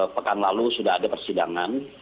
pekan lalu sudah ada persidangan